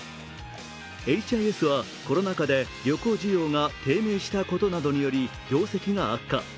エイチ・アイ・エスはコロナ禍で旅行需要が低迷したことなどにより業績が悪化。